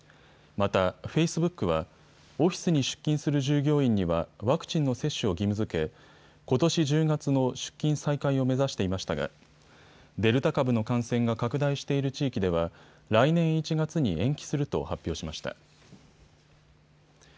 またフェイスブックはオフィスに出勤する従業員にはワクチンの接種を義務づけ、ことし１０月の出勤再開を目指していましたがデルタ株の感染が拡大している地域では来年１月に延期すると発表しました。